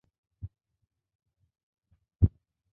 কিন্তু কোন অতিথি পেলেন না।